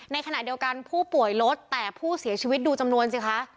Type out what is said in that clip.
ในขณะเดียวกันผู้ป่วยลดแต่ผู้เสียชีวิตดูจำนวนสิคะ